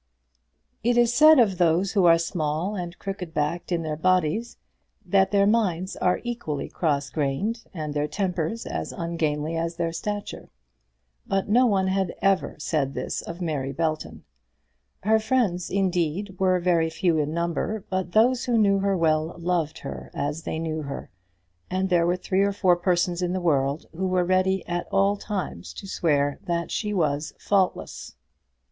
It is said of those who are small and crooked backed in their bodies, that their minds are equally cross grained and their tempers as ungainly as their stature. But no one had ever said this of Mary Belton. Her friends, indeed, were very few in number; but those who knew her well loved her as they knew her, and there were three or four persons in the world who were ready at all times to swear that she was faultless.